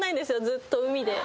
ずっと海で。